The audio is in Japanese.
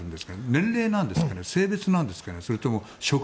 年齢なんですかね性別なんですかね